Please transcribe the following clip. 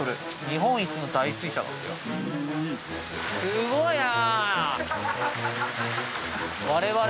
すごいな！